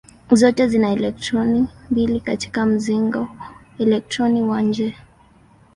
Zote zina elektroni mbili katika mzingo elektroni wa nje.